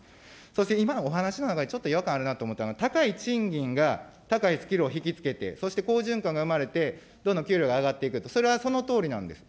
そして今お話の中でちょっと違和感あるなと思ったのは、高い賃金が高いスキルを引き付けて、そして好循環が生まれて、どんどん給料が上がっていくと、それはそのとおりなんです。